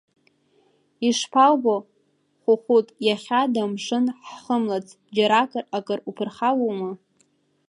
Ишԥаубо, Хәыхәыт, иахьада амшын ҳхымлац џьаракыр акыр уԥырхагоума?